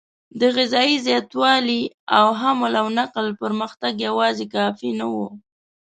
د غذایي زیاتوالي او حمل او نقل پرمختګ یواځې کافي نه و.